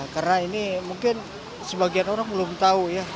karena ini mungkin sebagian orang belum tahu ya